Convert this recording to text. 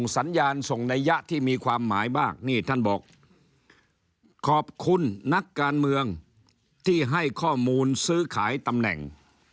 สัญญาณส่งนัยยะที่มีความหมายมากนี่ท่านบอกขอบคุณนักการเมืองที่ให้ข้อมูลซื้อขายตำแหน่ง